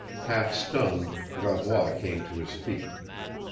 Half stunned, Gravois came to his feet.